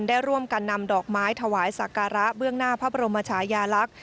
ได้ร่วมกันนำดอกไม้ถวายสักการะเบื้องหน้าพระบรมชายาลักษณ์